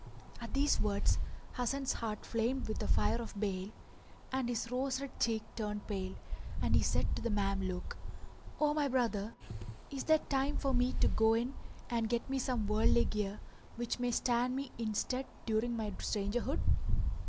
At these words Hasan's heart flamed with the fire of bale, and his rose red cheek turned pale, and he said to the "Mameluke, "O my brother, is there time for me to go in and get me some worldly gear which may stand me in stead during my strangerhood?"